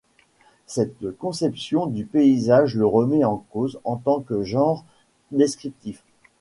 Cette conception du paysage le remet en cause en tant que genre descriptif.